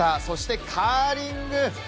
そして、カーリング！